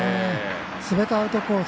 すべてアウトコース。